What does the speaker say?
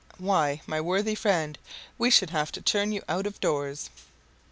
Why, my worthy friend, we should have to turn you out of doors!"